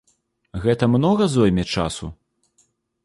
Гэта многа зойме часу?